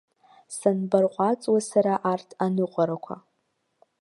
Санбарҟәаҵуеи сара арҭ аныҟәарақәа?